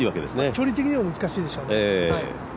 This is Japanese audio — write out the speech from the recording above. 距離的には難しいでしょう。